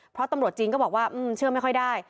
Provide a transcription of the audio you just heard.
เพราะตำรวจจีนก็บอกว่าเชื่อไม่ค่อยได้